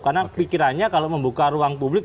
karena pikirannya kalau membuka ruang publik